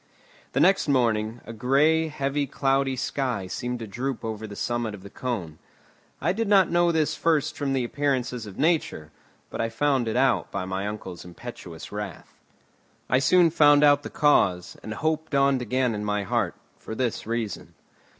The next morning, a grey, heavy, cloudy sky seemed to droop over the summit of the cone. I did not know this first from the appearances of nature, but I found it out by my uncle's impetuous wrath. I soon found out the cause, and hope dawned again in my heart. For this reason.